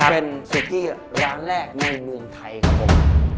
เป็นสุกี้ร้านแรกในเมืองไทยครับผม